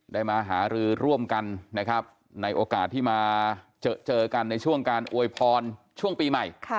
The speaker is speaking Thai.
มาหารือร่วมกันนะครับในโอกาสที่มาเจอกันในช่วงการอวยพรช่วงปีใหม่